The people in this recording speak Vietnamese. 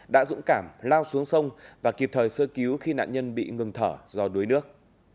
đã dũng cảm lao xuống sông và kịp thời sơ cứu khi nạn nhân bị ngừng thở do đuối nước